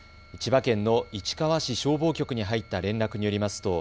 千葉県の市川市消防局に入った連絡によります